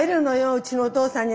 うちのお父さんに。